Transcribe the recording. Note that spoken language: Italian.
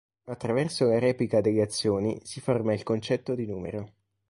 Attraverso la replica delle azioni si forma il concetto di numero.